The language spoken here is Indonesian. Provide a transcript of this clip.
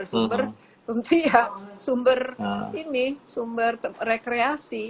sumber sumber ini sumber rekreasi